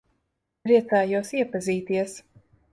Priecājos iepazīties.